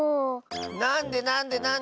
なんでなんでなんで！